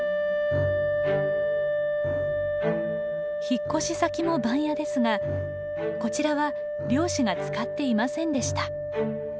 引っ越し先も番屋ですがこちらは漁師が使っていませんでした。